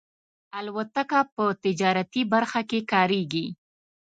الوتکه په تجارتي برخه کې کارېږي.